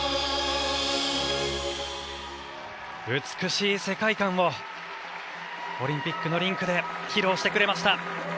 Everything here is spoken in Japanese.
美しい世界観をオリンピックのリンクで披露してくれました。